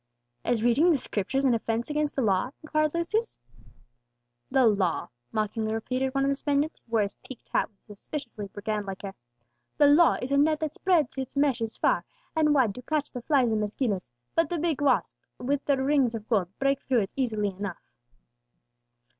"Is reading the Scriptures an offence against the law?" inquired Lucius. "The law!" mockingly repeated one of the Spaniards, who wore his peaked hat with a suspiciously brigand like air. "The law is a net that spreads its meshes far and wide to catch the flies and mosquitoes; but the big wasps, with their rings of gold, break through it easily enough."